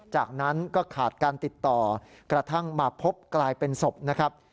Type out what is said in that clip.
จากนั้นก็ขาดการติดต่อกระทั่งมาพบกลายเป็นศพนะครับ